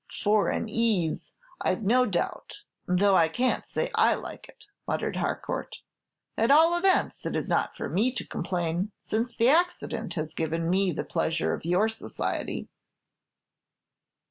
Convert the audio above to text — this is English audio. "Foreign ease, I've no doubt; though I can't say I like it," muttered Harcourt. "At all events, it is not for me to complain, since the accident has given me the pleasure of your society."